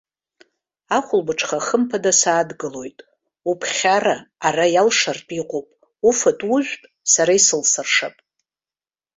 Ахәылбыҽха хымԥада саадгылоит, уԥхьара ара иалшартә иҟоуп, уфатә-ужәтә сара исылсыршап.